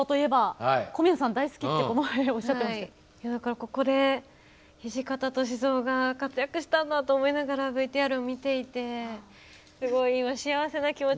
ここで土方歳三が活躍してたんだと思いながらＶＴＲを見ていてすごい今幸せな気持ち。